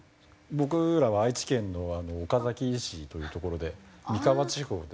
僕らは愛知県の岡崎市という所で三河地方で。